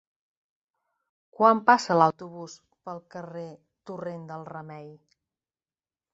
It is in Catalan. Quan passa l'autobús pel carrer Torrent del Remei?